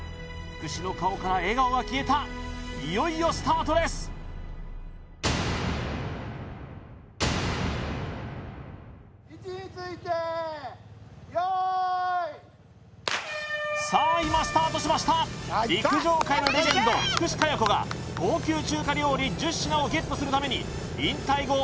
福士の顔から笑顔が消えたいよいよスタートですさあ今スタートしました陸上界のレジェンド福士加代子が高級中華料理１０品をゲットするために引退後